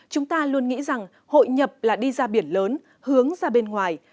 chúng ta luôn nghĩ rằng hội nhập là đi ra biển lớn hướng ra bên ngoài